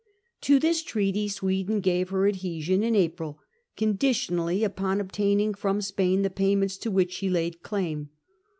To this treaty Sweden gave her adhesion in April, conditionally upon obtaining from Spain the payments to which she laid claim.